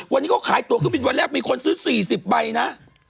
วันนี้เขาขายตัวเครื่องบินวันแรกมีคนซื้อ๔๐ใบนะ